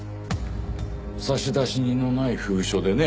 差出人のない封書でね。